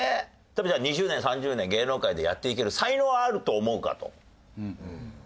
例えば２０年３０年芸能界でやっていける才能あると思うか？と。